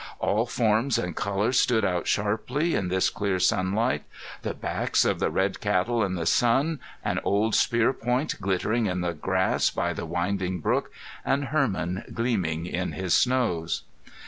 All forms and colors stood out sharply in this clear sunlight; the backs of the red cattle in the sun, an old spear point glittering in the grass by the winding brook, and Hermon gleaming in his snows.